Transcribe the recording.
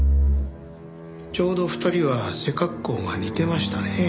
ちょうど２人は背格好が似てましたねえ。